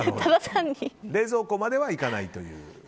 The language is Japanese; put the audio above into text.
冷蔵庫まではいかないという。